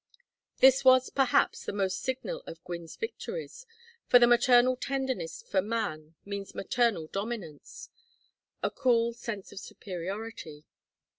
This was, perhaps, the most signal of Gwynne's victories, for the maternal tenderness for man means maternal dominance, a cool sense of superiority.